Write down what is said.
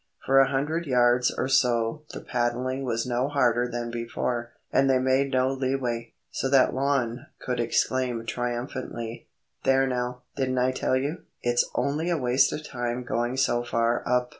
For a hundred yards or so the paddling was no harder than before, and they made no leeway, so that Lon could exclaim triumphantly,— "There now, didn't I tell you? It's only a waste of time going so far up."